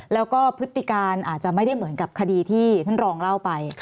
แล้วก็พฤติการอาจจะไม่ได้เหมือนกับคดีที่ท่านรองเล่าไป